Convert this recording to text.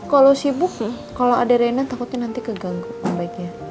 kalau sibuk kalau ada rena takutnya nanti keganggu yang baiknya